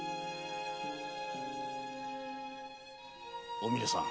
お峰さん！